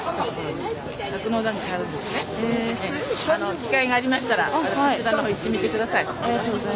機会がありましたらそちらの方行ってみて下さい。